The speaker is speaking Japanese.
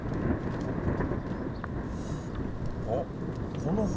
あっこの本。